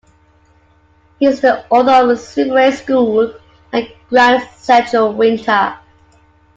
He is the author of "Sleepaway School" and "Grand Central Winter".